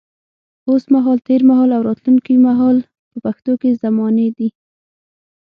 اوس مهال، تېر مهال او راتلونکي مهال په پښتو کې زمانې دي.